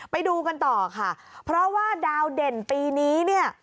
ไปดูกันต่อค่ะเพราะว่าดาวเด่นปีนี้เนี่ย